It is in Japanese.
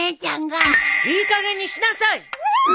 いいかげんにしなさい！